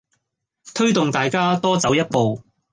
推動大家多走一步